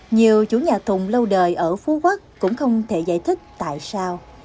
nhiều chủ nhà thùng lâu đời ở phú quốc cũng không thể giải thích tại sao